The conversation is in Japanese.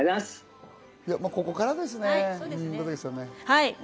ここからですね。